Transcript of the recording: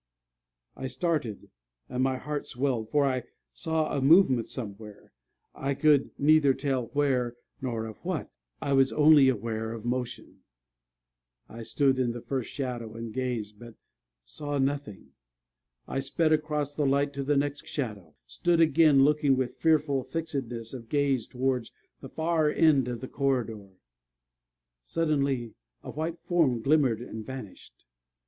I started, and my heart swelled; for I saw a movement somewhere I could neither tell where, nor of what: I was only aware of motion. I stood in the first shadow, and gazed, but saw nothing. I sped across the light to the next shadow, and stood again, looking with fearful fixedness of gaze towards the far end of the corridor. Suddenly a white form glimmered and vanished.